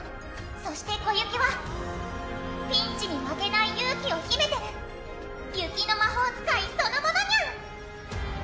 そしてコユキはピンチに負けない勇気を秘めてる雪の魔法使いそのものニャン！